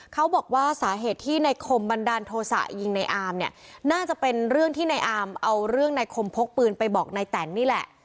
เขาบอกว่าสาเหตุที่ในคมบันดาลโทษะยิงในอามเนี่ยน่าจะเป็นเรื่องที่ในอามเอาเรื่องในคมพกปืนไปบอกนายแต่นนี่แหละ